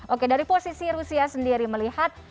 oke dari posisi rusia sendiri melihat